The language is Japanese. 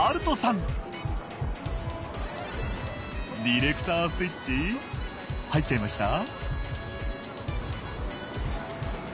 ディレクタースイッチ入っちゃいました？